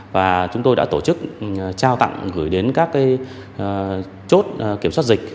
và chúng tôi đã tổ chức trao tặng gửi đến các chốt kiểm soát dịch